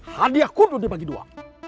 hadiahku dibagi dua